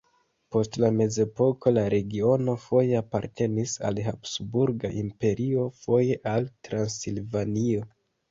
Post la mezepoko la regiono foje apartenis al Habsburga Imperio, foje al Transilvanio.